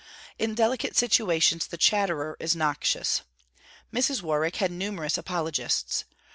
In delicate situations the chatterer is noxious. Mrs. Warwick had numerous apologists.